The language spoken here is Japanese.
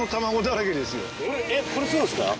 えっこれそうですか？